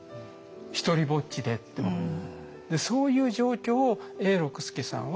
独りぼっちでってそういう状況を永六輔さんは歌詞にした。